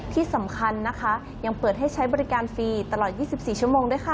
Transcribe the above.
ที่สำคัญนะคะยังเปิดให้ใช้บริการฟรีตลอด๒๔ชั่วโมงด้วยค่ะ